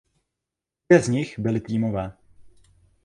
Dvě z nich byly týmové.